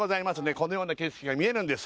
このような景色が見えるんです